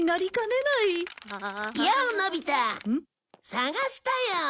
探したよ！